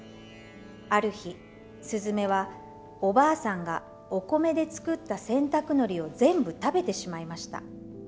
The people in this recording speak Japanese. ある日すずめはおばあさんがお米で作った洗濯のりを全部食べてしまいました。